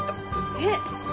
えっ？